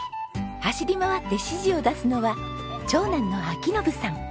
走り回って指示を出すのは長男の彬晋さん。